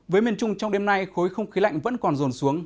với miền trung trong đêm nay khối không khí lạnh vẫn còn rồn xuống